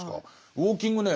ウォーキングね